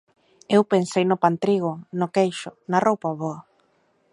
Eu pensei no pantrigo, no queixo, na roupa boa.